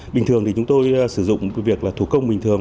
bình thường thì chúng tôi sử dụng việc là thủ công bình thường